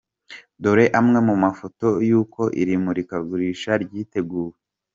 Dore amwe mu mafoto y’uko iri murikagurisha ryiteguwe.